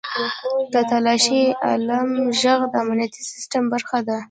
• د تالاشۍ الارم ږغ د امنیتي سیستم برخه ده.